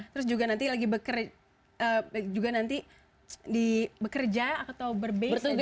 terus juga nanti lagi bekerja atau berbegas